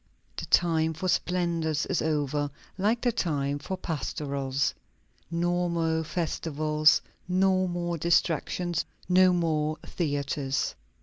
The time for splendors is over, like the time for pastorals. No more festivals, no more distractions, no more theatres.